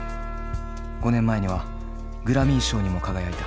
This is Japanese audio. ５年前にはグラミー賞にも輝いた。